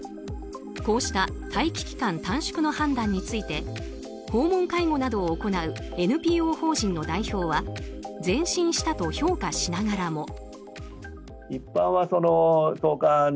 こうした待機期間短縮の判断について訪問介護などを行うＮＰＯ法人の代表は前進したと評価しながらも。